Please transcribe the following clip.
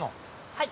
はい。